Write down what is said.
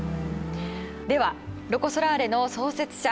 ではロコ・ソラーレの創設者